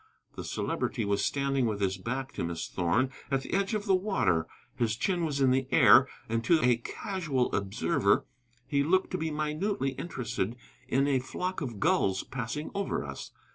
The Celebrity was standing with his back to Miss Thorn, at the edge of the water. His chin was in the air, and to a casual observer he looked to be minutely interested in a flock of gulls passing over us.